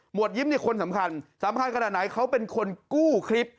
วดยิ้มนี่คนสำคัญสำคัญขนาดไหนเขาเป็นคนกู้คลิป